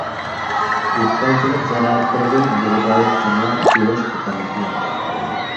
دېھقانچىلىق زىرائەتلىرىدىن بۇغداي، قوناق، كېۋەز قاتارلىقلار.